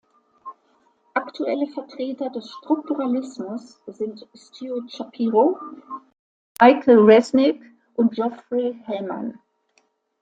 Aktuelle Vertreter des Strukturalismus sind Stewart Shapiro, Michael Resnik und Geoffrey Hellman.